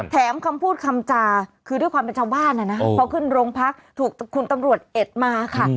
คำพูดคำจาคือด้วยความเป็นชาวบ้านนะนะพอขึ้นโรงพักถูกคุณตำรวจเอ็ดมาค่ะ